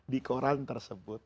di koran tersebut